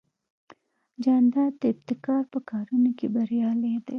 جانداد د ابتکار په کارونو کې بریالی دی.